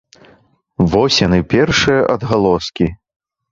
Вось яны, першыя адгалоскі.